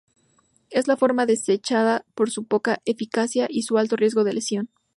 Es la forma desechada por su poca eficacia y su alto riesgo de lesión.